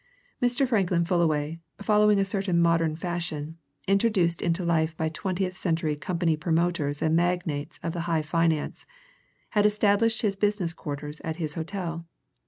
Mr. Franklin Fullaway, following a certain modern fashion, introduced into life by twentieth century company promoters and magnates of the high finance, had established his business quarters at his hotel.